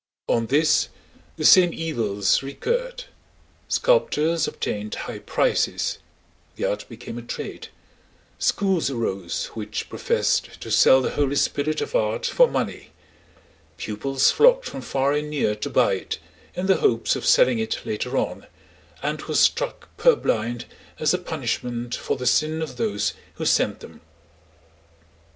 On this the same evils recurred. Sculptors obtained high prices—the art became a trade—schools arose which professed to sell the holy spirit of art for money; pupils flocked from far and near to buy it, in the hopes of selling it later on, and were struck purblind as a punishment for the sin of those who sent them.